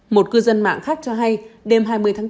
một cư dân mạng khác cho hay đêm hai mươi tháng năm